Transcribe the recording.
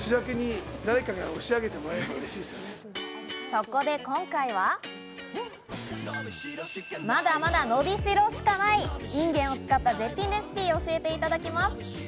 そこで今回は、まだまだ、のびしろしかないインゲンを使った絶品レシピを教えていただきます。